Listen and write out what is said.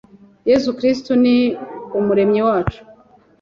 Yesu Kristo ni Umuremyi wacu.